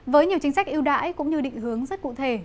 với nhiều chính sách ưu đãi cũng như định hướng rất cụ thể